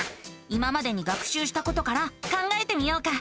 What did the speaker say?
今までに学しゅうしたことから考えてみようか。